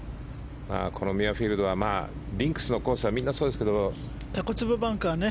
このミュアフィールドはリンクスのコースはタコつぼバンカーね。